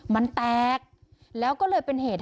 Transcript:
มันแตกแล้วก็เลยเป็นเหตุ